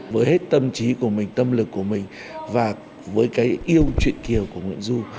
với hết tâm trí của mình tâm lực của mình và với cái yêu chuyện kiều của nguyễn du